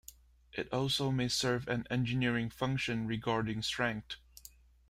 It also may serve an engineering function regarding strength.